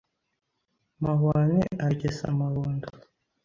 Mahwane aragesa amahundo